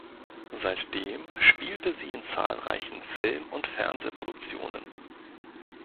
Seitdem spielte sie in zahlreichen Film- und Fernsehproduktionen.